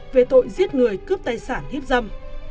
về tội giết người cướp tài sản hiếp dâm